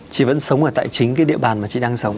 chị vẫn sống ở tại chính cái địa bàn mà chị đang sống